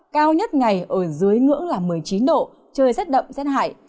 cao nhất ngày ở dưới ngưỡng một mươi chín độ trời rất đậm rất hại